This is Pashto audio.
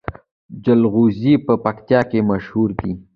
جلغوزي په پکتیا کې مشهور دي